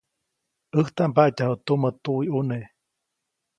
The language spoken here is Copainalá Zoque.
ʼÄjtaʼm mbatyajuʼt tumä tuwiʼuneʼ.